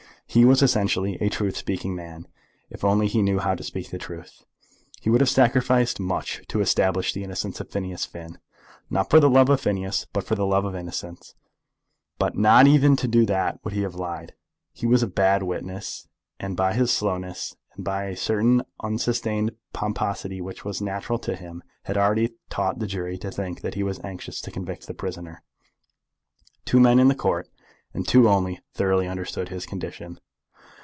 He was essentially a truth speaking man, if only he knew how to speak the truth. He would have sacrificed much to establish the innocence of Phineas Finn, not for the love of Phineas, but for the love of innocence; but not even to do that would he have lied. But he was a bad witness, and by his slowness, and by a certain unsustained pomposity which was natural to him, had already taught the jury to think that he was anxious to convict the prisoner. Two men in the Court, and two only, thoroughly understood his condition.